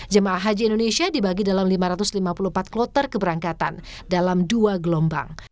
jemaah haji indonesia dibagi dalam lima ratus lima puluh empat kloter keberangkatan dalam dua gelombang